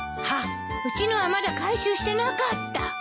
はっうちのはまだ回収してなかった。